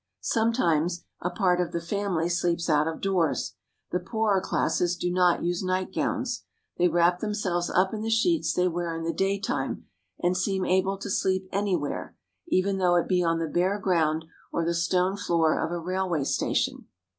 Sometimes a part of the family sleeps out of doors. The poorer classes do not use nightgowns. They wrap themselves up in the sheets they wear in the daytime, and seem able to sleep anywhere, even though it be on the bare ground or the stone floor of a railway station.